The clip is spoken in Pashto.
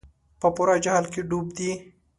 په پوره جهل کې ډوب دي.